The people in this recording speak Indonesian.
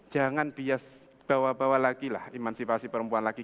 jangan bias bawa bawa lagi lah emansipasi perempuan lagi